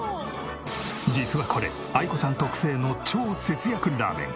実はこれあいこさん特製の超節約ラーメン。